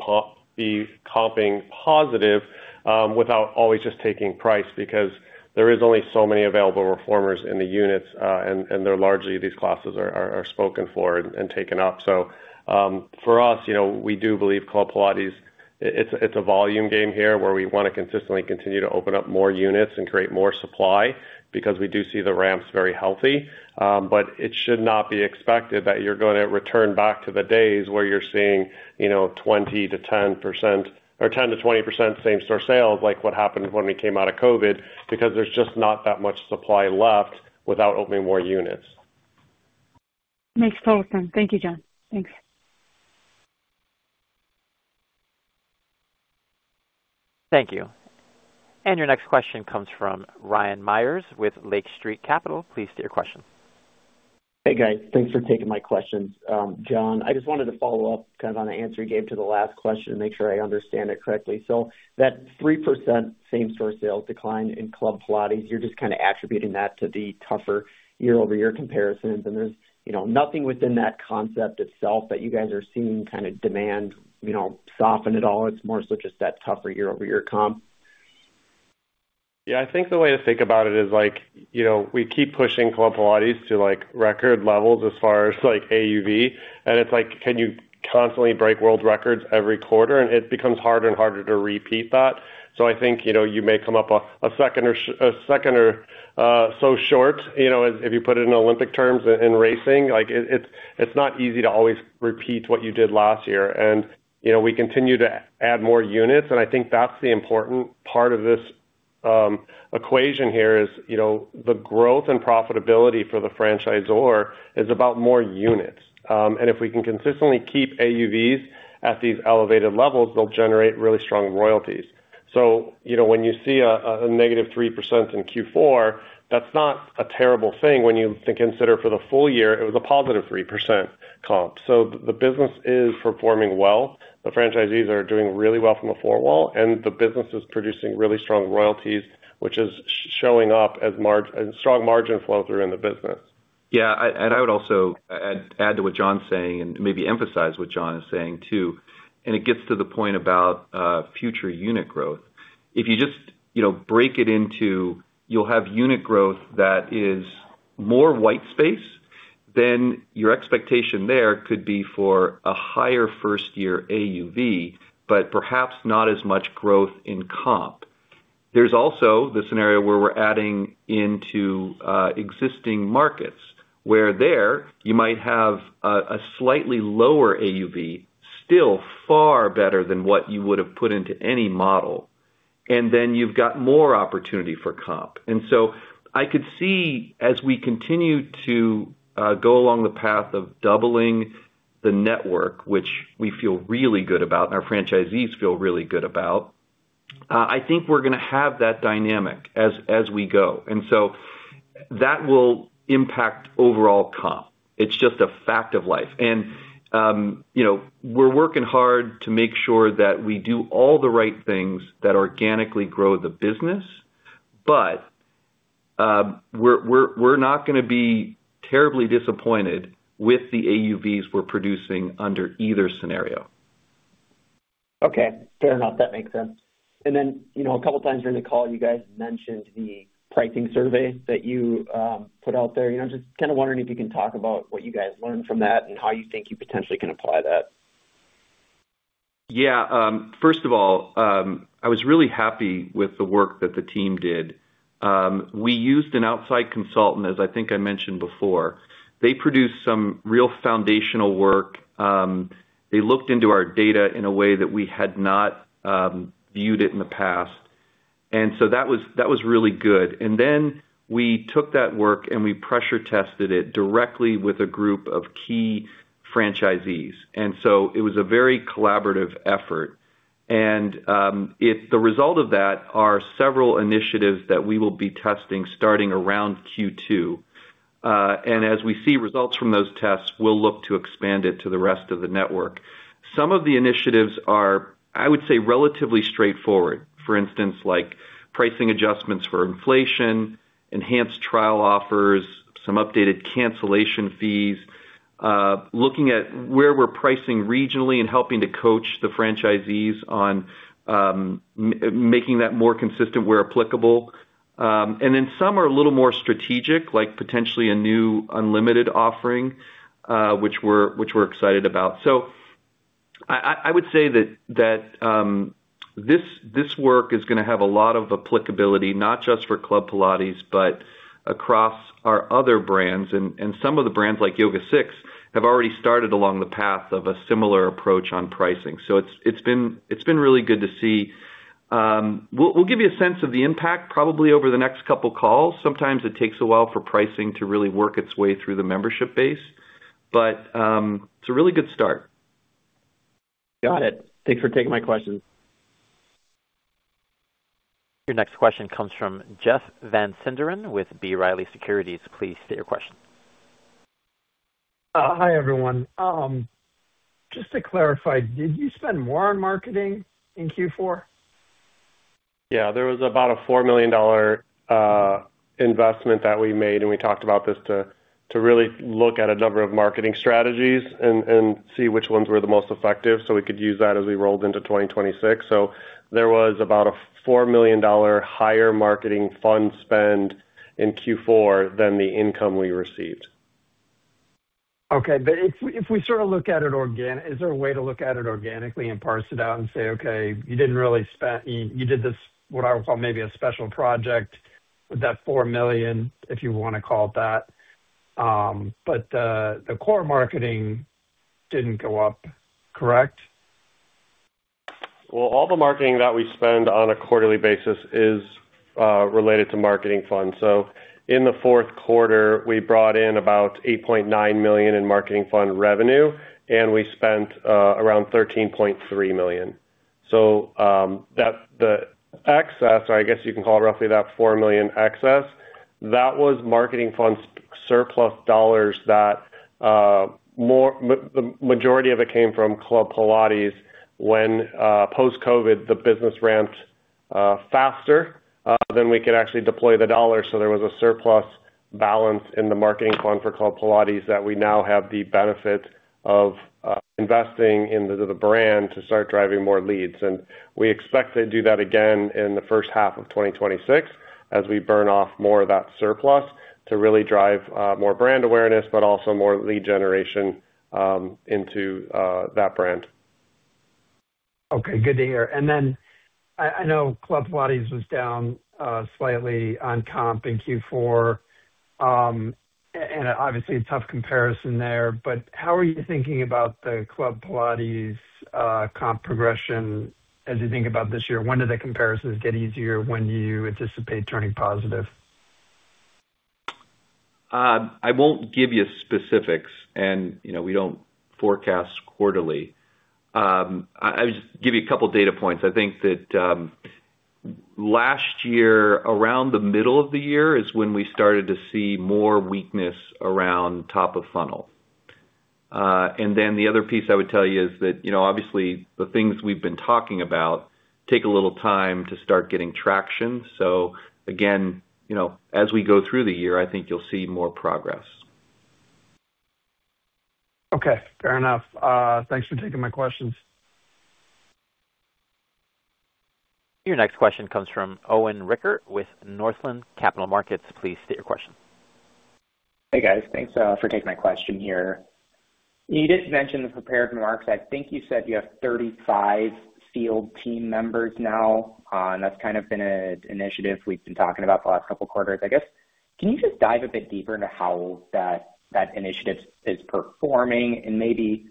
comping positive, without always just taking price because there is only so many available reformers in the units, and they're largely these classes are spoken for and taken up. For us, you know, we do believe Club Pilates, it's a volume game here where we wanna consistently continue to open up more units and create more supply because we do see the ramps very healthy. It should not be expected that you're gonna return back to the days where you're seeing, you know, 20%-10% or 10%-20% same-store sales like what happened when we came out of COVID because there's just not that much supply left without opening more units. Makes total sense. Thank you, John. Thanks. Thank you. Your next question comes from Ryan Meyers with Lake Street Capital Markets. Please state your question. Hey, guys. Thanks for taking my questions. John, I just wanted to follow up kind of on the answer you gave to the last question to make sure I understand it correctly. That 3% same-store sales decline in Club Pilates, you're just kind of attributing that to the tougher year-over-year comparisons and there's, you know, nothing within that concept itself that you guys are seeing kind of demand, you know, soften at all. It's more so just that tougher year-over-year comp. Yeah. I think the way to think about it is like, you know, we keep pushing Club Pilates to, like, record levels as far as, like, AUV, and it's like, can you constantly break world records every quarter? It becomes harder and harder to repeat that. So I think, you know, you may come up a second or so short, you know, if you put it in Olympic terms in racing. Like, it's not easy to always repeat what you did last year. You know, we continue to add more units, and I think that's the important part of this equation here is, you know, the growth and profitability for the franchisor is about more units. If we can consistently keep AUVs at these elevated levels, they'll generate really strong royalties. You know, when you see a negative 3% in Q4, that's not a terrible thing when you think consider for the full year, it was a +3% comp. The business is performing well. The franchisees are doing really well from the four wall, and the business is producing really strong royalties, which is showing up as strong margin flow through in the business. Yeah. I would also add to what John's saying, and maybe emphasize what John is saying too, and it gets to the point about future unit growth. If you just, you know, break it into you'll have unit growth that is more white space, then your expectation there could be for a higher first year AUV, but perhaps not as much growth in comp. There's also the scenario where we're adding into existing markets, where there you might have a slightly lower AUV, still far better than what you would have put into any model. Then you've got more opportunity for comp. I could see as we continue to go along the path of doubling the network, which we feel really good about and our franchisees feel really good about, I think we're gonna have that dynamic as we go. That will impact overall comp. It's just a fact of life. You know, we're working hard to make sure that we do all the right things that organically grow the business, but we're not gonna be terribly disappointed with the AUVs we're producing under either scenario. Okay. Fair enough. That makes sense. You know, a couple times during the call, you guys mentioned the pricing survey that you put out there. You know, I'm just kinda wondering if you can talk about what you guys learned from that and how you think you potentially can apply that. First of all, I was really happy with the work that the team did. We used an outside consultant, as I think I mentioned before. They produced some real foundational work. They looked into our data in a way that we had not viewed it in the past. That was really good. We took that work and we pressure tested it directly with a group of key franchisees. It was a very collaborative effort. The result of that are several initiatives that we will be testing starting around Q2. As we see results from those tests, we'll look to expand it to the rest of the network. Some of the initiatives are, I would say, relatively straightforward. For instance, like pricing adjustments for inflation, enhanced trial offers, some updated cancellation fees, looking at where we're pricing regionally and helping to coach the franchisees on making that more consistent where applicable. Then some are a little more strategic, like potentially a new unlimited offering, which we're excited about. I would say that this work is gonna have a lot of applicability, not just for Club Pilates, but across our other brands. Some of the brands, like YogaSix, have already started along the path of a similar approach on pricing. It's been really good to see. We'll give you a sense of the impact probably over the next couple calls. Sometimes it takes a while for pricing to really work its way through the membership base. It's a really good start. Got it. Thanks for taking my question. Your next question comes from Jeff Van Sinderen with B. Riley Securities. Please state your question. Hi, everyone. Just to clarify, did you spend more on marketing in Q4? Yeah. There was about a $4 million investment that we made, and we talked about this to really look at a number of marketing strategies and see which ones were the most effective, so we could use that as we rolled into 2026. There was about a $4 million higher marketing fund spend in Q4 than the income we received. Okay. If we sort of look at it organically and parse it out and say, "Okay, you didn't really spend. You did this, what I would call maybe a special project with that $4 million," if you wanna call it that. The core marketing didn't go up, correct? Well, all the marketing that we spend on a quarterly basis is related to marketing funds. In the fourth quarter, we brought in about $8.9 million in marketing fund revenue, and we spent around $13.3 million. The excess, or I guess you can call it roughly about $4 million excess, that was marketing funds surplus dollars that the majority of it came from Club Pilates when post-COVID, the business ramped faster than we could actually deploy the dollars. There was a surplus balance in the marketing fund for Club Pilates that we now have the benefit of investing into the brand to start driving more leads. We expect to do that again in the first half of 2026, as we burn off more of that surplus to really drive more brand awareness, but also more lead generation into that brand. Okay. Good to hear. I know Club Pilates was down slightly on comp in Q4. Obviously a tough comparison there, but how are you thinking about the Club Pilates comp progression as you think about this year? When do the comparisons get easier? When do you anticipate turning positive? I won't give you specifics and, you know, we don't forecast quarterly. I'll just give you a couple data points. I think that last year, around the middle of the year is when we started to see more weakness around top of funnel. The other piece I would tell you is that, you know, obviously, the things we've been talking about take a little time to start getting traction. Again, you know, as we go through the year, I think you'll see more progress. Okay, fair enough. Thanks for taking my questions. Your next question comes from Owen Rickert with Northland Capital Markets. Please state your question. Hey, guys. Thanks, for taking my question here. You did mention the prepared remarks. I think you said you have 35 field team members now, and that's kind of been an initiative we've been talking about the last couple quarters. I guess, can you just dive a bit deeper into how that initiative is performing and maybe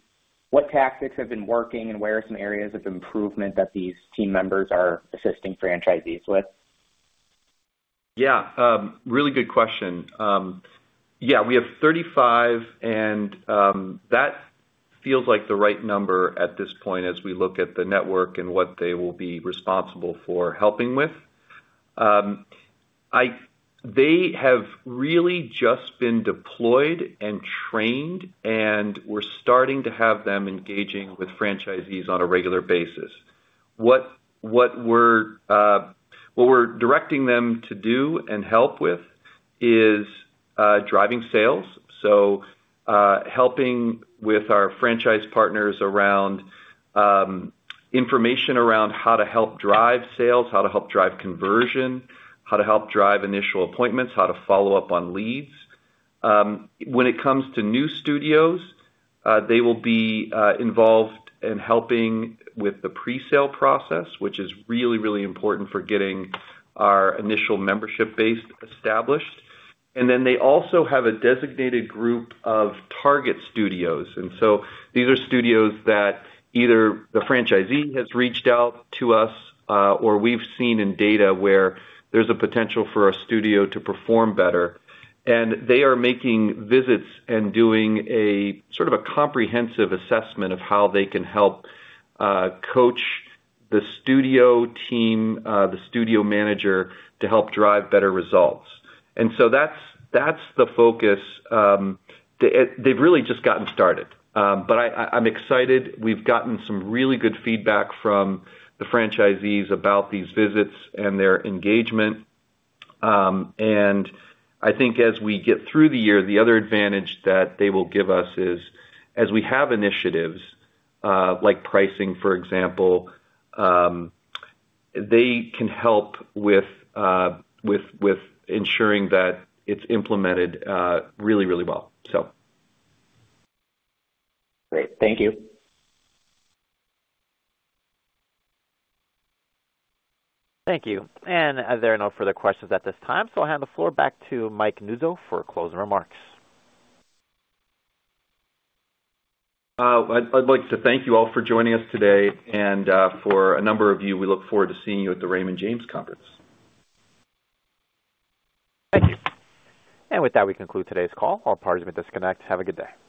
what tactics have been working and where are some areas of improvement that these team members are assisting franchisees with? Really good question. We have 35 and that feels like the right number at this point as we look at the network and what they will be responsible for helping with. They have really just been deployed and trained, and we're starting to have them engaging with franchisees on a regular basis. What we're directing them to do and help with is driving sales. Helping with our franchise partners around information around how to help drive sales, how to help drive conversion, how to help drive initial appointments, how to follow up on leads. When it comes to new studios, they will be involved in helping with the pre-sale process, which is really, really important for getting our initial membership base established. They also have a designated group of target studios. These are studios that either the franchisee has reached out to us, or we've seen in data where there's a potential for a studio to perform better. They are making visits and doing a sort of a comprehensive assessment of how they can help coach the studio team, the studio manager to help drive better results. That's, that's the focus. They've really just gotten started. I'm excited. We've gotten some really good feedback from the franchisees about these visits and their engagement. I think as we get through the year, the other advantage that they will give us is, as we have initiatives, like pricing, for example, they can help with ensuring that it's implemented, really well. Great. Thank you. Thank you. As there are no further questions at this time, I'll hand the floor back to Mike Nuzzo for closing remarks. I'd like to thank you all for joining us today, and for a number of you, we look forward to seeing you at the Raymond James Conference. Thank you. With that, we conclude today's call. All parties may disconnect. Have a good day.